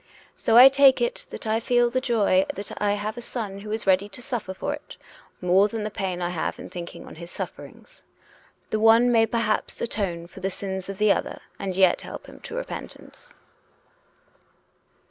So I take it that I feel the joy that I have a son who is ready to suffer for it, more than the pain I have in thinking on his sufferings. The one may perhaps atone for the sins of the other, and yet help him to repentance."